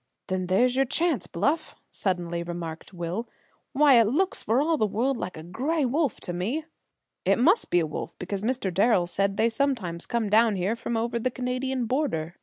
"Then there's your chance, Bluff!" suddenly remarked Will. "Why, it looks for all the world like a gray wolf to me!" "It must be a wolf, because Mr. Darrel said they sometimes come down here from over the Canadian border!"